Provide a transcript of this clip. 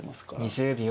２０秒。